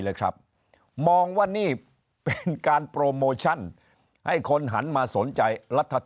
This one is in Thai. เลยครับมองว่านี่เป็นการโปรโมชั่นให้คนหันมาสนใจรัฐ